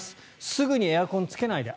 すぐにエアコンをつけないで。